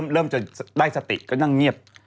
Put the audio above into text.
เริ่มจะได้สติก็นั่งเงียบ